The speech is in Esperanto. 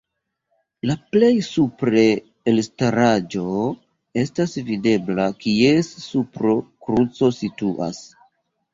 La plej supre elstaraĵo estas videbla, kies supro kruco situas.